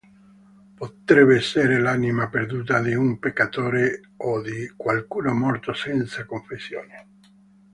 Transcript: Potrebbe essere l'anima perduta di un peccatore o di qualcuno morto senza confessione.